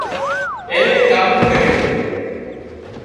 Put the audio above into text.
اين نين ڪاٻو ڪريو